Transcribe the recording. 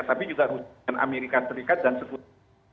tapi juga rusia dengan amerika serikat dan sebagainya